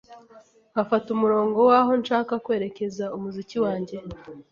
nkafata umurongo w’aho nshaka kwerekeza umuziki wange.